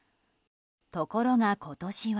ところが、今年は。